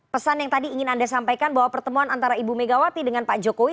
pesan yang tadi ingin anda sampaikan bahwa pertemuan antara ibu megawati dengan pak jokowi